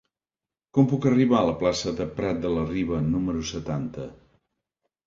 Com puc arribar a la plaça de Prat de la Riba número setanta?